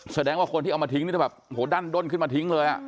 แสดงว่าคนที่เอามาทิ้งด้านด้นขึ้นมาทิ้งเลย